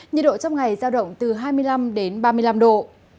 nhiệt độ trong ngày giao động từ hai mươi năm đến ba mươi năm độ